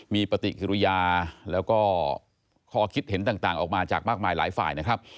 มีปฏิกิริยาแล้วก็ข้อคิดเห็นต่างออกมาจากมากมายหลายฝ่ายนะครับ